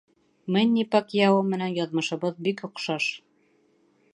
Мэнни Пакьяо менән яҙмышыбыҙ бик оҡшаш.